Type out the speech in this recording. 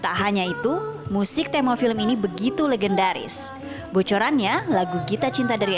tak hanya itu musik tema film ini begitu legendaris bocorannya lagu gita cinta dari